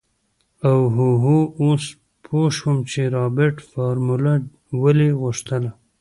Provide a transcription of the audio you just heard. اوهوهو اوس پو شوم چې رابرټ فارموله ولې غوښتله.